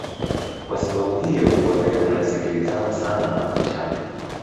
Kwa sababu hiyo Wameru wanasikilizana sana na Wamachame